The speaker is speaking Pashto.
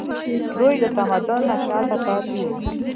دوی د تمدن نه شاته پاتې وو